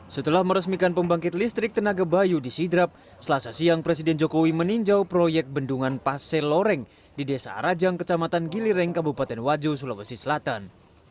setelah meresmikan pembangkit listrik tenaga bayu di sidrap selasa siang presiden jokowi meninjau proyek bendungan paseloreng di desa arajang kecamatan gilireng kabupaten wajo sulawesi selatan